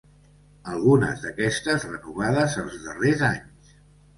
Algunes d'aquestes renovades els darrers anys.